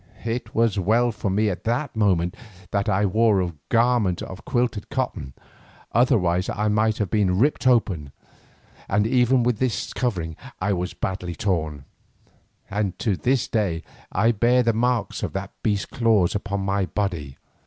It was well for me at that moment that I wore a garment of quilted cotton, otherwise I must have been ripped open, and even with this covering I was sadly torn, and to this day I bear the marks of the beast's claws upon my body.